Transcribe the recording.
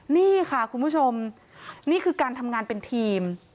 นี่ค่ะคุณผู้ชมนี่คือการทำงานเป็นทีม